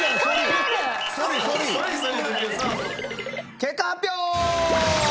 結果発表！